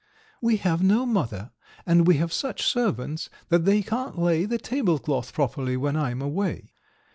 We have no mother, and we have such servants that they can't lay the tablecloth properly when I am away.